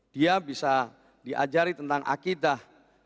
dia bisa diajari tentang akidah